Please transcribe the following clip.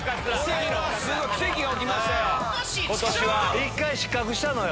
一回失格したのよ